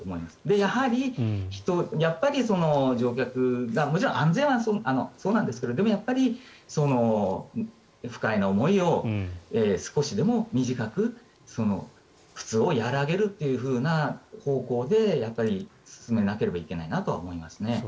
やはり乗客がもちろん安全はそうなんですがでもやっぱり不快な思いを少しでも短く苦痛を和らげるという方向で進めなければいけないなと思いますね。